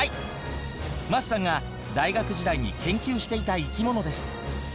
桝さんが大学時代に研究していた生き物です。